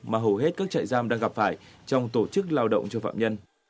mà hầu hết các trại giam đang gặp phải trong tổ chức lao động cho phạm nhân